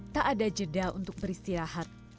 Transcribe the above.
tak ada jeda untuk beristirahat